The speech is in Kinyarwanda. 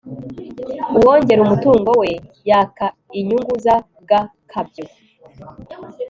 uwongera umutungo we yaka inyungu z'agakabyo